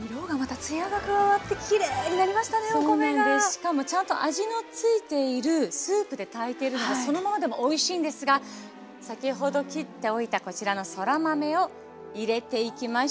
しかもちゃんと味の付いているスープで炊いてるのでそのままでもおいしいんですが先ほど切っておいたこちらのそら豆を入れていきましょう。